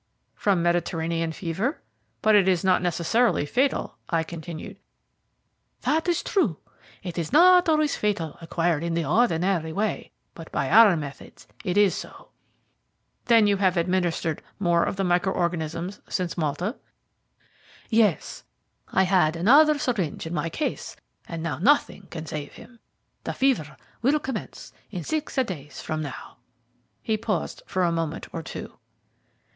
"From Mediterranean fever? But it is not necessarily fatal," I continued. "That is true. It is not always fatal acquired in the ordinary way, but by our methods it is so." "Then you have administered more of the micro organisms since Malta?" "Yes; I had another syringe in my case, and now nothing can save him. The fever will commence in six days from now." He paused for a moment or two.